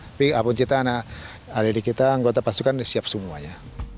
tapi apun cita cita adik kita anggota pasukan siap semuanya